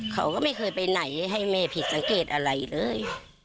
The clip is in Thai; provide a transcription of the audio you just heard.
เขาก็ไม่เคยไปไหนให้แม่ผิดสังเกตอะไรเลย